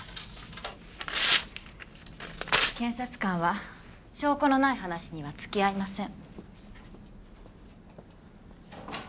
検察官は証拠のない話には付き合いません。